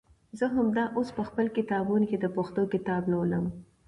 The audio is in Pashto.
زه همدا اوس په خپل کتابتون کې د پښتو کتاب لولم.